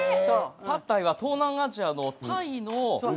「パッタイ」は東南アジアのタイの。